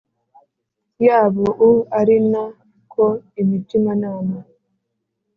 Yabo u ari na ko imitimanama